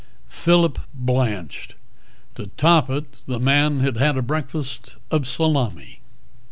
Phillip blanched. To top it, the man had had a breakfast of salami.